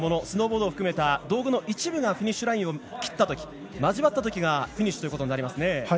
スノーボード含めた道具の一部がフィニッシュラインを切ったとき交わったときがフィニッシュということになりますね。